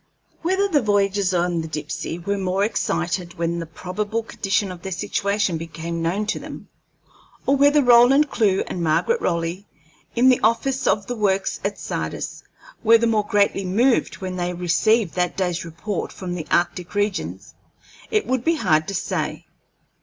Whether the voyagers on the Dipsey were more excited when the probable condition of their situation became known to them, or whether Roland Clewe and Margaret Raleigh in the office of the Works at Sardis were the more greatly moved when they received that day's report from the arctic regions, it would be hard to say.